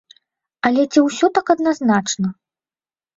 Але ці ўсё так адназначна?